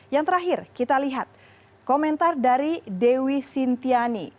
yang terakhir kita lihat komentar dari dewi sintiani